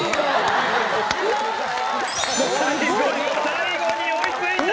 最後に追いついた！